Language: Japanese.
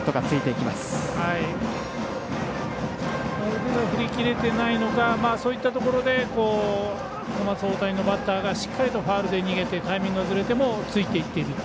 腕が振り切れていないのかそういったところで小松大谷のバッターがしっかりとファウルで逃げてタイミングがずれてもついていっていると。